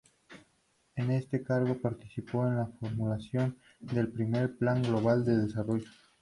En este cargo participó en la formulación del Primer Plan Global de Desarrollo.